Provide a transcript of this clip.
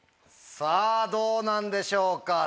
さぁどうなんでしょうか？